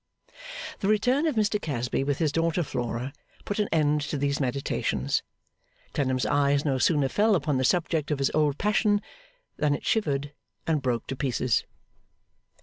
The return of Mr Casby with his daughter Flora, put an end to these meditations. Clennam's eyes no sooner fell upon the subject of his old passion than it shivered and broke to pieces.